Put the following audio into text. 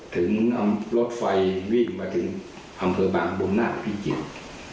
ถึงนำรถไฟวิ่งมาถึงอำเภอบางบมนาคพิจิตร